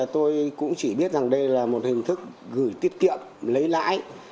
tôi cũng chỉ biết rằng đây là một hình thức gửi tiết kiệm lấy lãi